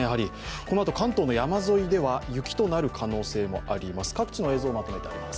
このあと関東の山沿いでは雪となる可能性もあります。